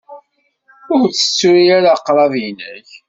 Ur ttettu ara aqrab-nnek.